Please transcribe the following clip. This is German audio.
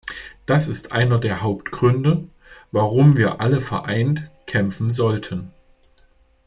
Das ist einer der Hauptgründe, warum wir alle vereint kämpfen sollten.